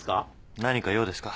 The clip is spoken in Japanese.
何か用ですか？